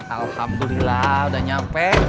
alhamdulillah udah nyampe